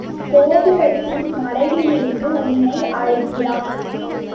கோபுரத்தின் மறைவிலிருந்து உன்னை அழைக்கிறான்.